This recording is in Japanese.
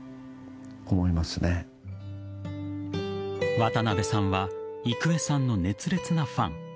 渡辺さんは郁恵さんの熱烈なファン。